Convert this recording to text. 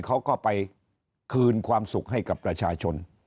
เขาก็ไปคืนความสุขให้กับประชาชน